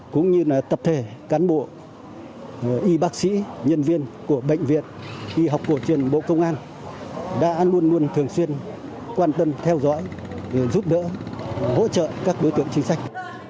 cũng như là tập thể cán bộ y bác sĩ nhân viên của bệnh viện y học cổ truyền bộ công an đã luôn luôn thường xuyên quan tâm theo dõi giúp đỡ hỗ trợ các đối tượng chính sách